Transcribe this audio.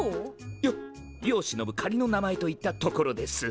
よ世をしのぶ仮の名前といったところです。